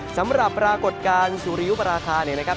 สำหรับประกดการสวริยุประราคานะครับ